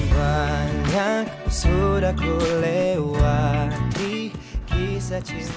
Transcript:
banyak sudah ku lewati kisah cinta lain